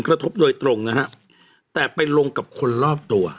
กระทบโดยตรงนะฮะแต่ไปลงกับคนรอบตัว